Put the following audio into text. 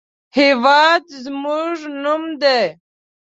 هېواد زموږ نوم دی